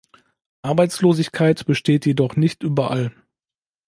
Arbeitslosigkeit besteht jedoch nicht überall.